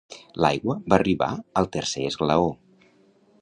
L'aigua va arribar al tercer esglaó.